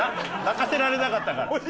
泣かせられなかったから。